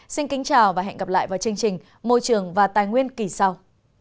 xin kính chào và hẹn gặp lại vào chương trình môi trường và tài nguyên kỳ sau